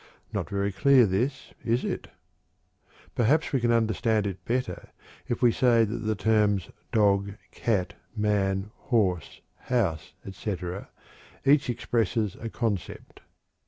Not very clear this, is it? Perhaps we can understand it better if we say that the terms dog, cat, man, horse, house, etc., each expresses a concept.